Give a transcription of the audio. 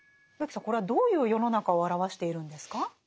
植木さんこれはどういう世の中を表しているんですか？